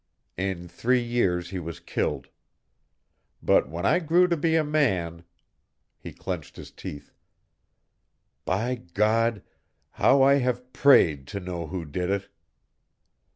In three years he was killed. But when I grew to be a man" he clenched his teeth "by God! how I have prayed to know who did it."